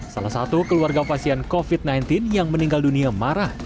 salah satu keluarga pasien covid sembilan belas yang meninggal dunia marah